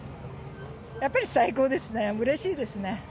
やっぱり最高ですね、うれしいですね。